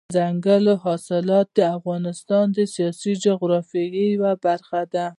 دځنګل حاصلات د افغانستان د سیاسي جغرافیې یوه برخه ده.